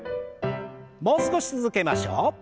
もう少し続けましょう。